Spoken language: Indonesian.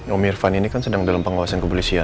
om irfan ini kan sedang dalam pengawasan kepolisian